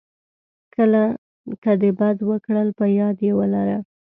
که د بد وکړل په یاد یې ولره .